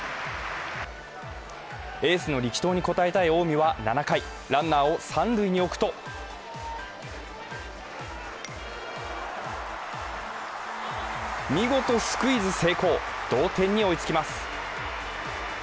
エースの力投に応えたい近江は７回ランナーを三塁に置くと見事スクイズ成功、同点に追いつきます。